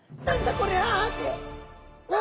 これ」って。